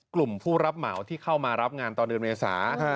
กลุ่มผู้รับเหมาที่เข้ามารับงานตอนเดือนเมษา